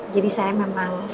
jadi saya memang